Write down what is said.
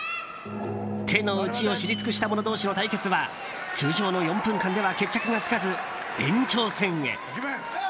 手の内を知り尽くした者同士の対決は通常の４分間では決着がつかず延長戦へ。